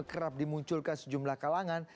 kerap dimunculkan sejumlah kalangan